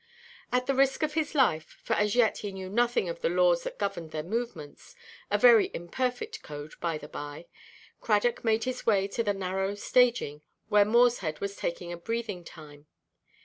At the risk of his life, for as yet he knew nothing of the laws that governed their movements—a very imperfect code, by–the–by—Cradock made his way to the narrow staging where Morshead was taking a breathing–time.